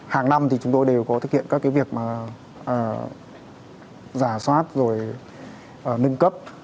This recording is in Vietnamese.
hàng năm thì chúng tôi đều có thực hiện các cái việc mà giả soát rồi nâng cấp